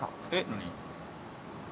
何？